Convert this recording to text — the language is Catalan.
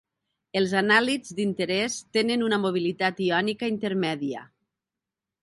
Els anàlits d'interès tenen una mobilitat iònica intermèdia.